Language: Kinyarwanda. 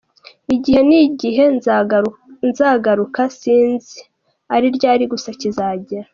Igihe n’igihe nzagaruka, sinzi ari ryari gusa kizagera.